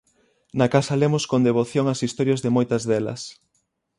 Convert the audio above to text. Na casa lemos con devoción as historias de moitas delas.